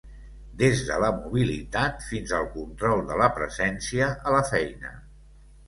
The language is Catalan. Des de la mobilitat fins al control de la presència a la feina.